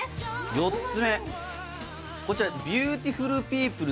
４つ目こちらビューティフル